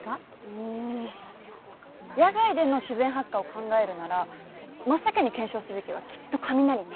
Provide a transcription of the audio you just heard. うーん野外での自然発火を考えるなら真っ先に検証すべきはきっと雷ね。